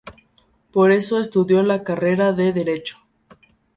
Por eso, estudió la carrera de Derecho.